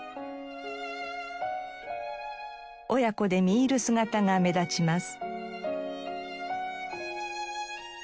親子で見入る姿が目立ちます。